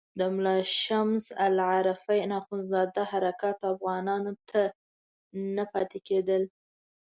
د ملا شمس العارفین اخندزاده حرکات افغانانو ته نه پاتې کېدل.